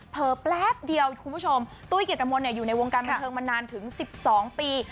แป๊บเดียวคุณผู้ชมตุ้ยเกียรติมนต์อยู่ในวงการบันเทิงมานานถึง๑๒ปี